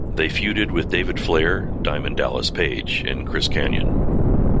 They feuded with David Flair, Diamond Dallas Page and Chris Kanyon.